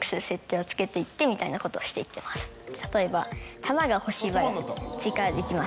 例えば球が欲しい場合追加できます。